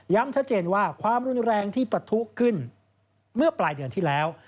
ชัดเจนว่าความรุนแรงที่ปะทุขึ้นเมื่อปลายเดือนที่แล้ว